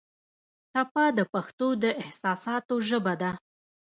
ټپه د پښتو د احساساتو ژبه ده.